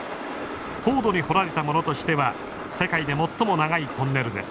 凍土に掘られたものとしては世界で最も長いトンネルです。